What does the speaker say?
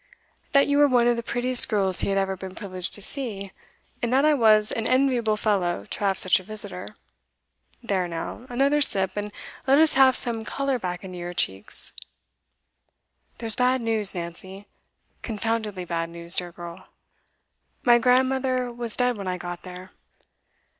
'That you were one of the prettiest girls he had ever been privileged to see, and that I was an enviable fellow to have such a visitor. There now, another sip, and let us have some colour back into your cheeks. There's bad news, Nancy; confoundedly bad news, dear girl. My grandmother was dead when I got there.